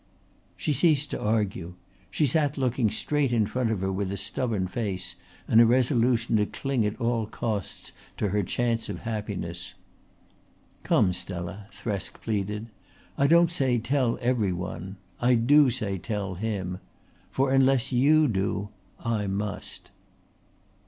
She ceased to argue; she sat looking straight in front of her with a stubborn face and a resolution to cling at all costs to her chance of happiness. "Come, Stella," Thresk pleaded. "I don't say tell every one. I do say tell him. For unless you do I must."